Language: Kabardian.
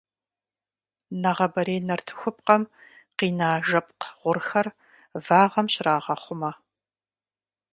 Нэгъабэрей нартыхупкъэм къина жэпкъ гъурхэр вагъэм щӀрагъэхъумэ.